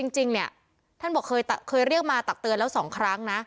จริงเนี่ยท่านบอกเคยเรียกมาตักเตือนแล้ว๒ครั้งนะ